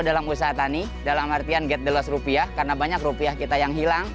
dalam usaha tani dalam artian get the loss rupiah karena banyak rupiah kita yang hilang